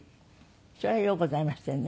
それはようございましたよね。